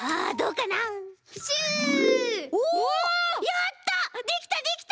やった！